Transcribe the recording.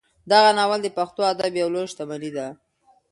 دغه ناول د پښتو ادب یوه لویه شتمني ده.